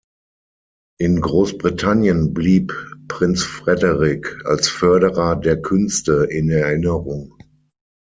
In Großbritannien blieb „Prince Frederick“ als Förderer der Künste in Erinnerung.